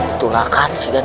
itulah kan si deng